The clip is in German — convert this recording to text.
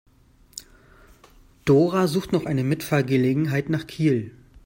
Dora sucht noch eine Mitfahrgelegenheit nach Kiel.